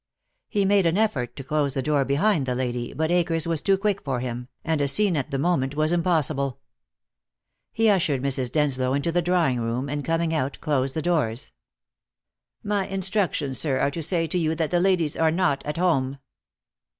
He made an effort to close the door behind the lady, but Akers was too quick for him, and a scene at the moment was impossible. He ushered Mrs. Denslow into the drawing room, and coming out, closed the doors. "My instructions, sir, are to say to you that the ladies are not at home."